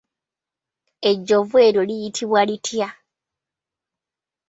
Ejjovu eryo liyitibwa litya?